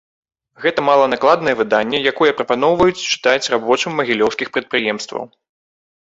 Гэта маланакладнае выданне, якое прапаноўваюць чытаць рабочым магілёўскіх прадпрыемстваў.